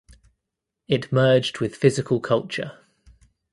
It merged with "Physical Culture".